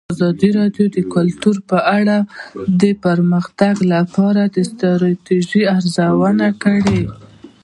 ازادي راډیو د کلتور په اړه د پرمختګ لپاره د ستراتیژۍ ارزونه کړې.